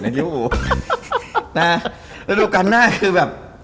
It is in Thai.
แล้วดูกันหน้าคือแบบ